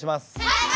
はい！